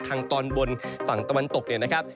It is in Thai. ทางตอนบนฝั่งตะวันตกเนี่ยนะครับ